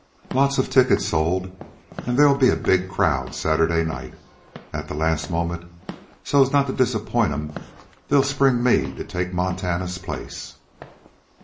Lots of tickets sold, an' they'll be a big crowd Saturday night. At the last moment, so as not to disappoint 'em, they'll spring me to take Montana's place.